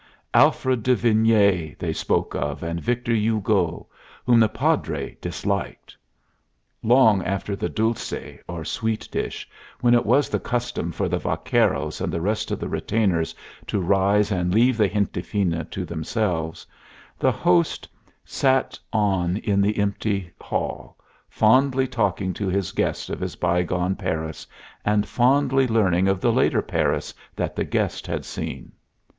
Alfred de Vigny they spoke of, and Victor Hugo, whom the Padre disliked. Long after the dulce, or sweet dish, when it was the custom for the vaqueros and the rest of the retainers to rise and leave the gente fina to themselves, the host sat on in the empty hail, fondly talking to his guest of his bygone Paris and fondly learning of the later Paris that the guest had seen.